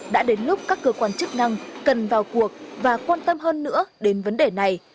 đã đến lúc các cơ quan chức năng cần vào cuộc và quan tâm hơn nữa đến vấn đề này